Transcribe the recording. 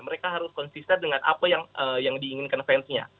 mereka harus konsisten dengan apa yang diinginkan fansnya